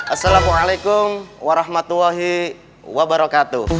assalamualaikum warahmatullahi wabarakatuh